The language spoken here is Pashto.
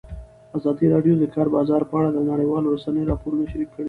ازادي راډیو د د کار بازار په اړه د نړیوالو رسنیو راپورونه شریک کړي.